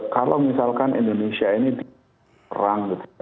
kalau misalkan indonesia ini diperang gitu ya